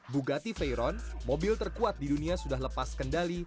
bugatti veyron mobil terkuat di dunia sudah lepas kendali